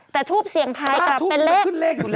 แต่ทูปเสียงไทยกลับเป็นเลข